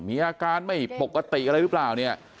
มีอาการไม่ปกติอะไรหรือเปล่าเนี่ย